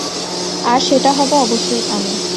আর সেটা হব অবশ্যই আমি।